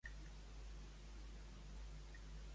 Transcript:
El PDECat va afavorir la presidència de Pedro Sánchez?